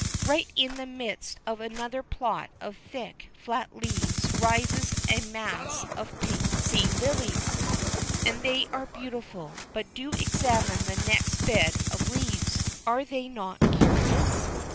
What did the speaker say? Right in the midst of another plot of thick, flat leaves rises a mass of pink sea lilies, and they are beautiful; but do examine the next bed of leaves. Are they not curious?